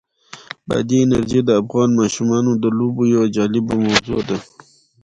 بادي انرژي د افغان ماشومانو د لوبو یوه جالبه موضوع ده.